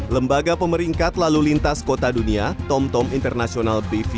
lembaga pemeringkat lalu lintas kota dunia tomtom international pv